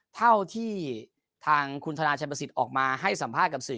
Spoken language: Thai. เท่าที่ทางคุณธนาชัยประสิทธิ์ออกมาให้สัมภาษณ์กับสื่อ